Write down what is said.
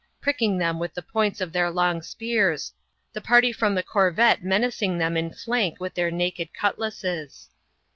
81 pricking them with the points of their long spears, the party {rem the corvette menacing them in flank with their naked cutlasses.